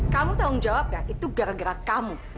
kamu tahu menjawab nggak itu gara gara kamu